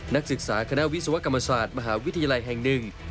นักศึกษาคณะวิศวกรรมศาสตร์มหาวิทยาลัยแห่งหนึ่ง